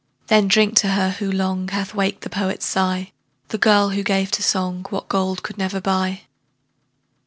Then drink to her, who long Hath waked the poet's sigh, The girl, who gave to song What gold could never buy.